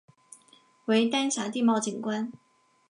为丹霞地貌景观。